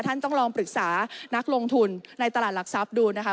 ท่านต้องลองปรึกษานักลงทุนในตลาดหลักทรัพย์ดูนะคะ